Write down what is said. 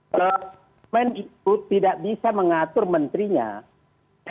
permen itu tidak bisa mengatur menterinya